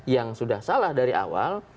yang sudah salah dari awal